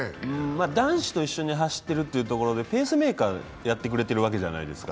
男子と一緒に走ってるというところで、ペースメーカー、やってくれてるわけじゃないですか。